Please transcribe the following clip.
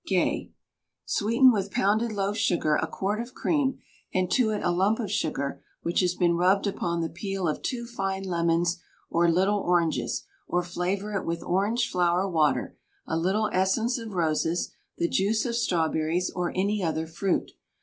GAY. Sweeten with pounded loaf sugar a quart of cream, and to it a lump of sugar which has been rubbed upon the peel of two fine lemons or little oranges; or flavor it with orange flower water, a little essence of roses, the juice of strawberries, or any other fruit.